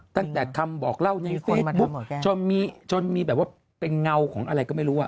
ตั้งแต่คำบอกเล่าในเฟซบุ๊กจนมีแบบว่าเป็นเงาของอะไรก็ไม่รู้